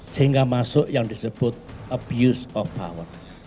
sehingga masuk yang disebut abuse of power